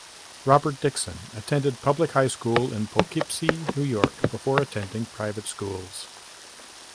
Robert Dixon attended public school in Poughkeepsie New York before attending private schools.